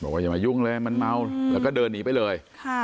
อย่ามายุ่งเลยมันเมาแล้วก็เดินหนีไปเลย